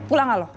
pulang lah lu